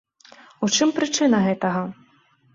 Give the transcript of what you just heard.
У чым прычына гэтага?